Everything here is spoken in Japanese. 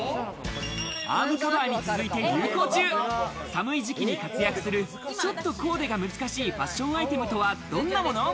アームカバーに続いて流行中、寒い時期に活躍する、ちょっとコーデが難しいファッションアイテムとはどんなもの？